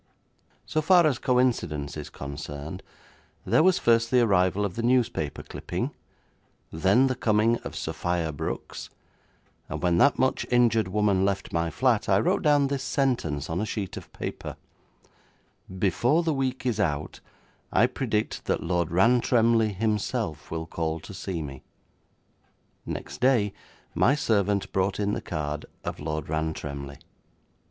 So far as coincidence is concerned, there was first the arrival of the newspaper clipping, then the coming of Sophia Brooks, and when that much injured woman left my flat I wrote down this sentence on a sheet of paper: 'Before the week is out, I predict that Lord Rantremly himself will call to see me.' Next day my servant brought in the card of Lord Rantremly.